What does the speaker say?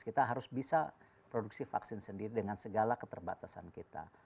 kita harus bisa produksi vaksin sendiri dengan segala keterbatasan kita